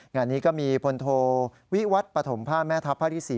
งานนี้ก็มีพลโทวิวัฒน์ปฐมภาคแม่ธรรพาที่๔